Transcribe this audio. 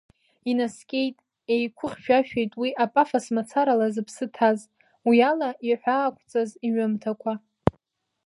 Инаскьеит, еиқәыхьшәашәеит уи апафос мацарала зыԥсы ҭаз, уи ала иҳәаақәҵаз аҩымҭақәа.